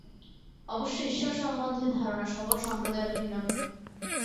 অবশ্য ঈশ্বর সম্বন্ধে ধারণা সকল সম্প্রদায়ের ভিন্ন ভিন্ন।